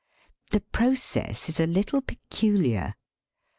The process is a little peculiar.